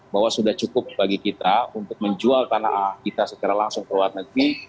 bahwa sudah cukup bagi kita untuk menjual tanah kita secara langsung ke luar negeri